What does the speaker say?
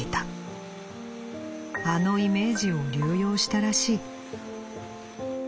あのイメージを流用したらしい。